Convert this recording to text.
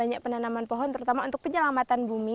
banyak penanaman pohon terutama untuk penyelamatan bumi